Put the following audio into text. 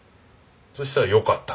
そしたらよかった。